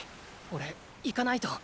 おれ行かないと。